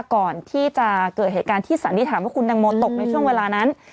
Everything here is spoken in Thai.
ก่อนที่จะเกิดเหตุการณ์ที่สันนิษฐานว่าคุณตังโมตกในช่วงเวลานั้น